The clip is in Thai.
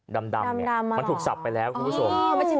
ดำถูกสับไปแล้วครับคุณผู้โสม